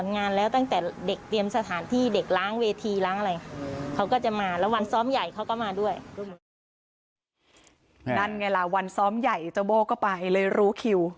นั่นไงล่ะวันซ้อมใหญ่เจ้าโบ้ก็ไปเลยรู้คิว